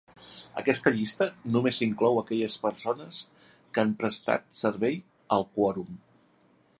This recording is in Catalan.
Aquesta llista només inclou aquelles persones que han prestat servei al Quorum.